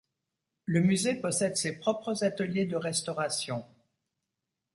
Le musée possède ses propres ateliers de restauration.